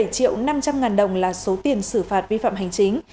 sáu mươi bảy triệu năm trăm linh ngàn đồng là số tiền xử phạt vi phạm hành chính